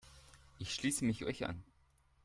Ich schließe mich euch an.